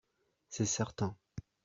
C’est certain